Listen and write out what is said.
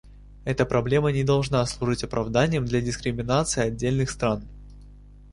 Эта проблема не должна служить оправданием для дискриминации отдельных стран.